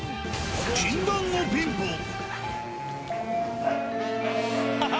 禁断のピンポン。